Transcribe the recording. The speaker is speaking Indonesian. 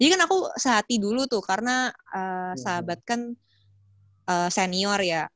jadi kan aku sehati dulu tuh karena sahabat kan senior ya